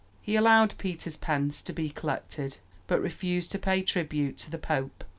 He allowed Peter's pence to be collected, but refused to pay tribute to the Pope.